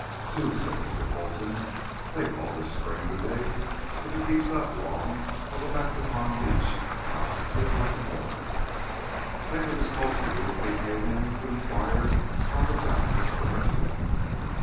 "Do," said Mr. Coulson. "They call this spring, do they? If it keeps up long I'll go back to Palm Beach. House feels like a morgue." Later Miss Coulson dutifully came in to inquire how the gout was progressing.